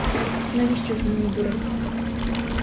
Навіщо ж мені дурить?